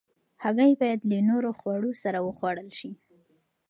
هګۍ باید له نورو خوړو سره وخوړل شي.